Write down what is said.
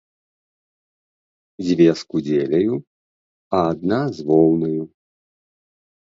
Дзве з кудзеляю, а адна з воўнаю.